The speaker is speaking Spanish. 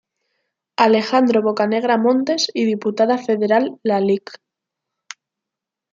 Alejandro Bocanegra Montes y Diputada Federal la Lic.